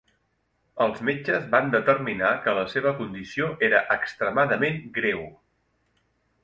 Els metges van determinar que la seva condició era "extremadament greu".